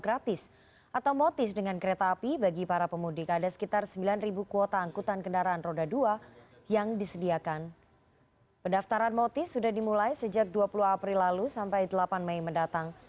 dua puluh april lalu sampai delapan mei mendatang